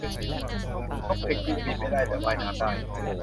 นกเพนกวินบินไม่ได้ แต่ว่ายน้ำได้